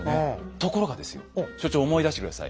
ところがですよ所長思い出して下さい。